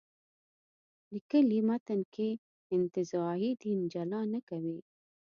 لیکلي متن کې انتزاعي دین جلا نه کوي.